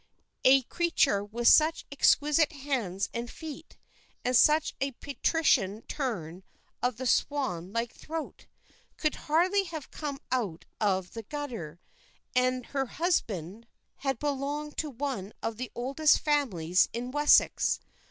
A creature with such exquisite hands and feet, and such a patrician turn of the swan like throat, could hardly have come out of the gutter; and her husband had belonged to one of the oldest families in Wessex.